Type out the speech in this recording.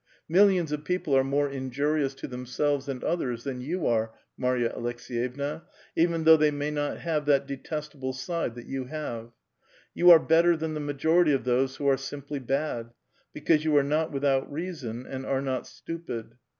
Mil Xions of people are more injurious to themselves and others t han you are, Marya Aleks^yevna, even though they may not l:iave that detestable side that you have. Yon are better than Trhe majority of those who are simply bad, because you are ^ot without reason and are not stupid.